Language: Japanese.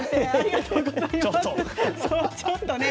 ちょっと！